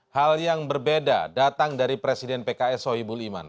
hal yang berbeda datang dari presiden pks sohibul iman